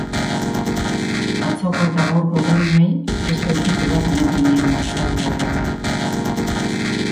Atzoko eta gaurko doinuei beste ukitu bat ematen dien metal taldea.